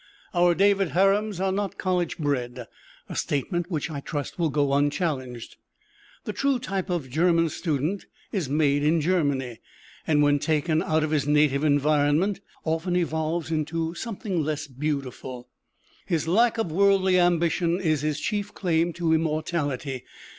Our David Harums are not college bred a statement which I trust will go unchallenged. The true type of German student is made in Germany, and when taken out of his native environment, often evolves into something less beautiful. His lack of worldly ambition is his chief claim to immortality.